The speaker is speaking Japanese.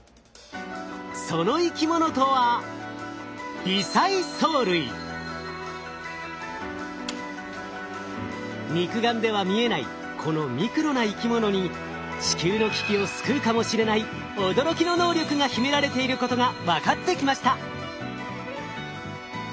その生き物とは肉眼では見えないこのミクロな生き物に地球の危機を救うかもしれない驚きの能力が秘められていることが分かってきました。